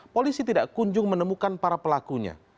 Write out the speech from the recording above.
polisi tidak kunjung menemukan para pelakunya